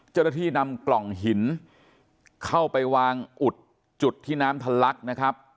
เจ้าหน้าที่นำกล่องหินเข้าไปวางอุดจุดที่น้ำทะลักนะครับ